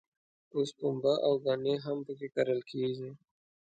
اوس پنبه او ګني هم په کې کرل کېږي.